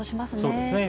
そうですね。